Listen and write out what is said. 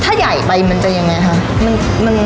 ถ้าใหญ่ไปมันจะยังไงคะ